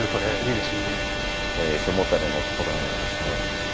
背もたれのところにはですね